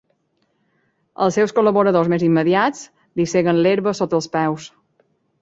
Els seus col·laboradors més immediats li seguen l'herba sota els peus.